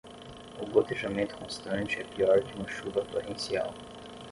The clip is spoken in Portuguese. O gotejamento constante é pior que uma chuva torrencial.